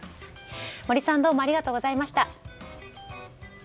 森さんどうもありがとうございました。